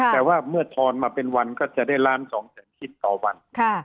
แต่ว่าเมื่อทอนมาเป็นวันก็จะได้ล้าน๒แสนชิ้นต่อวัน